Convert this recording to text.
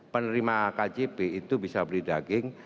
penerima kjp itu bisa beli daging